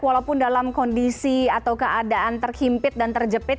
walaupun dalam kondisi atau keadaan terhimpit dan terjepit